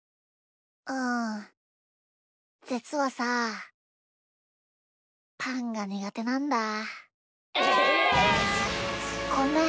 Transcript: うんじつはさパンがにがてなんだ。え！？ごめん。